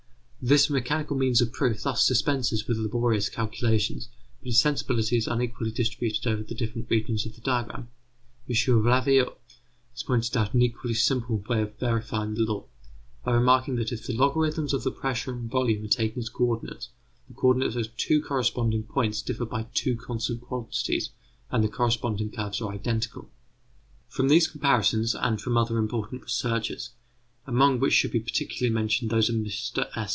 This mechanical means of proof thus dispenses with laborious calculations, but its sensibility is unequally distributed over the different regions of the diagram. M. Raveau has pointed out an equally simple way of verifying the law, by remarking that if the logarithms of the pressure and volume are taken as co ordinates, the co ordinates of two corresponding points differ by two constant quantities, and the corresponding curves are identical. From these comparisons, and from other important researches, among which should be particularly mentioned those of Mr S.